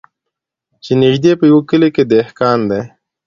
چي نیژدې په یوه کلي کي دهقان دی